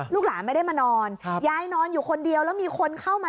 ลูกหลานไม่ได้มานอนยายนอนอยู่คนเดียวแล้วมีคนเข้ามา